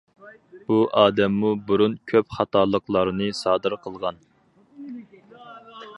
بۇ ئادەممۇ بۇرۇن كۆپ خاتالىقلارنى سادىر قىلغان.